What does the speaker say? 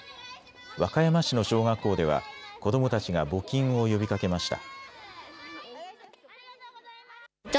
和歌山市の小学校では子どもたちが募金を呼びかけました。